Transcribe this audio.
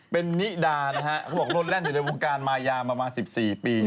เป็นนิดานะฮะเขาบอกรถแล่นอยู่ในวงการมายาประมาณ๑๔ปี